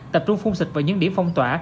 tập trung phun xịt vào những điểm phong tỏa